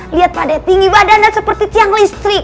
lihat pade tinggi badan dan seperti tiang listrik